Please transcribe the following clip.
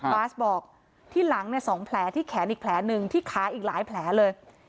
บาสบอกที่หลังเนี่ย๒แผลที่แขนอีกแผลหนึ่งที่ขาอีกหลายแผลเลย